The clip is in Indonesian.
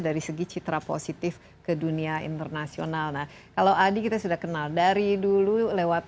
dari segi citra positif ke dunia internasional nah kalau adi kita sudah kenal dari dulu lewat